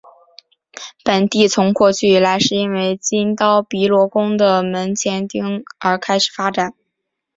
本地从过去以来是因为金刀比罗宫的门前町而开始发展。